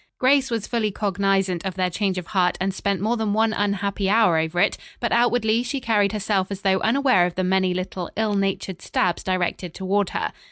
Grace was fully cognizant of their change of heart, and spent more than one unhappy hour over it, but outwardly she carried herself as though unaware of the many little ill natured stabs directed toward her.